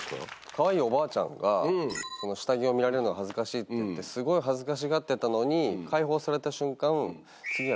かわいいおばあちゃんが下着を見られるのは恥ずかしいって言ってすごい恥ずかしがってたのに解放された瞬間。